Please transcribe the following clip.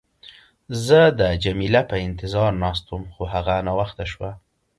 زه د جميله په انتظار ناست وم، خو هغه ناوخته شوه.